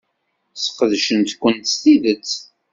Sqedcen-kent s tidet.